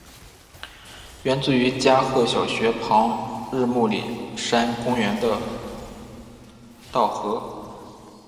源自于加贺小学校旁日暮里山公园的稻荷。